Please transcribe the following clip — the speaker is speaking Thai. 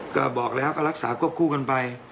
ก็บอกเลยครับก็รักษากวบคู่กันไป